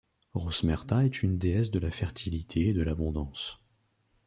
Rosmerta est une déesse de la fertilité et de l'abondance.